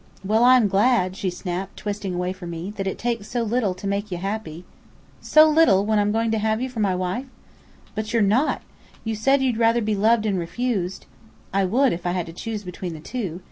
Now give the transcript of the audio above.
"Well, I'm glad," she snapped, twisting away from me, "that it takes so little to make you happy." "So little, when I'm going to have you for my wife?" "But you're not. You said you'd rather be loved and refused " "I would, if I had to choose between the two.